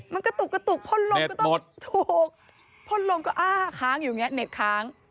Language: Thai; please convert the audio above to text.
มันกระตุกกระตุกพ่นลมก็ต้องถูกพ่นลมก็อ้าค้างอยู่อย่างนี้เน็ตค้าง